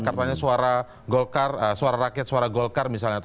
katanya suara golkar suara rakyat suara golkar misalnya